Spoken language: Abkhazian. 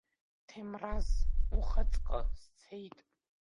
Ҭемраз, ухаҵкы сцеит.